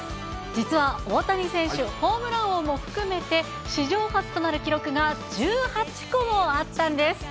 実は大谷選手、ホームラン王も含めて史上初となる記録が１８個もあったんです。